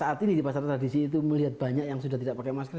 saat ini di pasar tradisi itu melihat banyak yang sudah tidak pakai masker